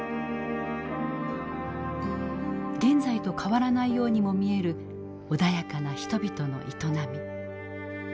現在と変わらないようにも見える穏やかな人々の営み。